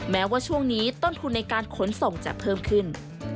แม้ว่าช่วงนี้ต้นทุนในการขนส่งจะเพิ่มขึ้น